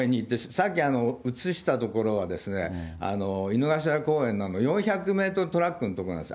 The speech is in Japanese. さっき映した所は、井の頭公園の４００メートルトラックの所なんです。